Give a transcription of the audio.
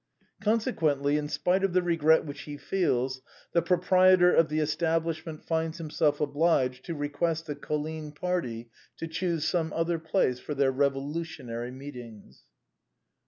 " Consequentl}', in spite of the regret which he feels, the proprietor of the establishment finds himself obliged to request the Colline party to choose some other place for their revolutionary meetings."